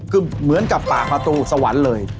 คือเหมือนกับปากประตูสวรรค์เลย